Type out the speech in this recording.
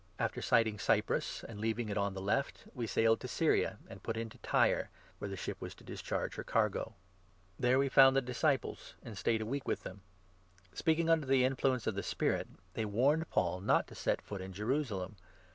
After sighting Cyprus and leaving it on the left, we 3 sailed to Syria, and put into Tyre, where the ship was to » Pa. 74. a. *> Deut. 33. 3—4. THE ACTS, 21. 255 discharge her cargo. There we found the disciples and 4 stayed a week with them. Speaking under the influence of the Spirit, they warned Paul not to set foot in Jerusalem.